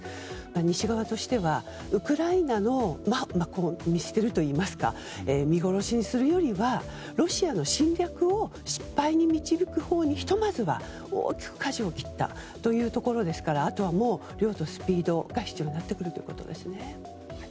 西側としてはウクライナを見捨てるといいますか見殺しにするよりはロシアの侵略を失敗に導くほうに、ひとまずは大きくかじを切ったというところですからあとは量とスピードが必要になってくるということです。